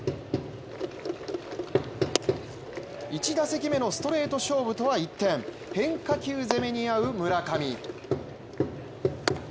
１打席目のストレート勝負とは一転変化球攻めにあう村上。